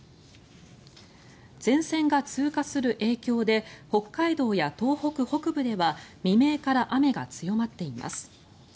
前線が通過する影響で北海道や東北北部では未明から雨が強まっています。